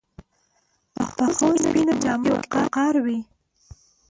پخو سپینو جامو کې وقار وي